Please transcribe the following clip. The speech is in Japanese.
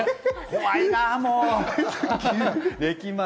怖いな、もう。